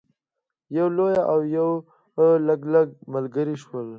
یو لیوه او یو لګلګ ملګري شول.